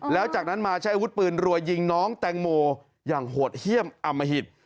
แล้วจากนั้นมาใช้อาวุธปืนรัวยิงน้องแตงโมอย่างโหดเยี่ยมอมหิต